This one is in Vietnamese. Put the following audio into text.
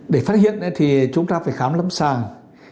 để phát hiện thì chúng ta phải khám lâm sàng